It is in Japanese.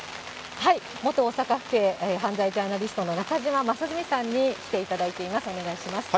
元大阪府警犯罪ジャーナリストの中島正純さんに来ていただいています。